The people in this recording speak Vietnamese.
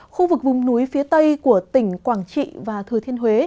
khu vực vùng núi phía tây của tỉnh quảng trị và thừa thiên huế